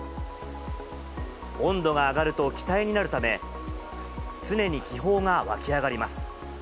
温度が上がると気体になるため、常に気泡が湧き上がります。